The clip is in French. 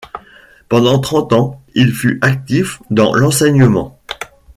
Pendant trente ans il fut actif dans l'enseignement.